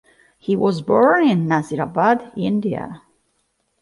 He was born in Nasirabad, India.